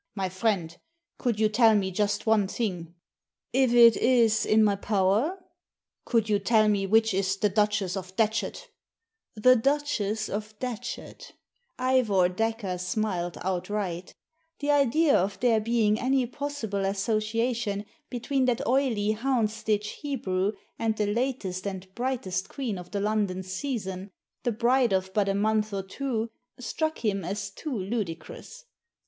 " My friend, could you tell me just one thing ?"If it is in my power." "Could you tell me which is the Duchess of Datchet" * The Duchess of Datchet ?" Digitized by VjOOQIC THE DIAMONDS 209 Ivor Dacre smiled outright The idea of there being any possible association between that oily Houndsditch Hebrew and the latest and brightest queen of the London season — ^the bride of but a month or two — struck him as too ludicrous.